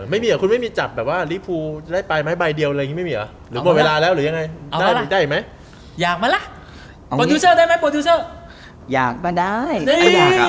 ไม่มีเหรอคุณไม่มีจับแบบว่าลีฟูจะได้ไปไหมใบเดียวอะไรอย่างงี้ไม่มีเหรอ